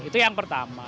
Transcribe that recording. itu yang pertama